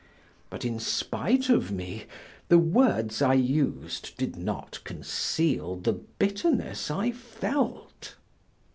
But in spite of me, the words I used did not conceal the bitterness I felt.